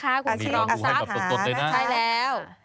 คุณครองซับอาชีพอสังฆาริมไอซับใช่แล้ว